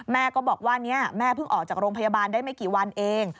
แม่ก็บอกว่าแม่เพิ่งออกจากโรงพยาบาลได้ไม่กี่วันเอง